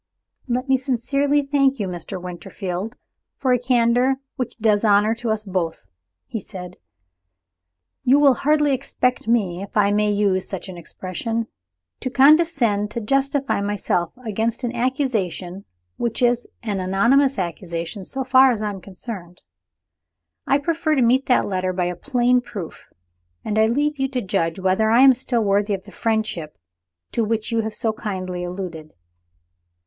"Let me sincerely thank you, Mr. Winterfield, for a candor which does honor to us both," he said. "You will hardly expect me if I may use such an expression to condescend to justify myself against an accusation which is an anonymous accusation so far as I am concerned. I prefer to meet that letter by a plain proof; and I leave you to judge whether I am still worthy of the friendship to which you have so kindly alluded."